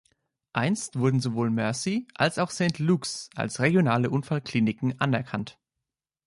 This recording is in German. Einst wurden sowohl Mercy als auch Saint Luke‘s als regionale Unfallkliniken anerkannt.